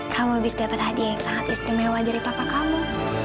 kamu habis dapat hadiah yang sangat istimewa dari papa kamu